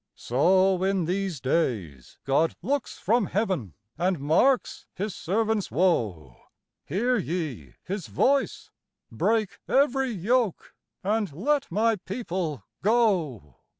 So in these days God looks from heaven, And marks his servants' woe; Hear ye his voice: "Break every yoke, And let my people go!"